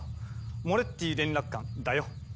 モレッティ連絡官だよ。